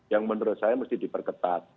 yang menurut saya mesti diperketat